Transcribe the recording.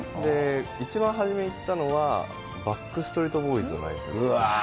一番初め行ったのは、バック・ストリート・ボーイズのライブ。